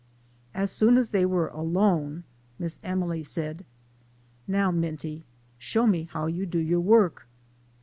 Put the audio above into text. As soon as they were alone, Miss Emily said :" Now, Minty, show me how you do your work."